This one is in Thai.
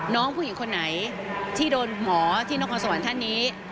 น้องผู้หญิงคนไหนที่โดนหมอที่นครสวรรค์ท่านนี้